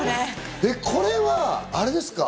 これは、あれですか？